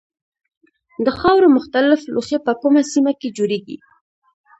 د خاورو مختلف لوښي په کومه سیمه کې جوړیږي.